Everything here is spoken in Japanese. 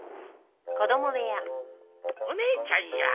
お姉ちゃんや。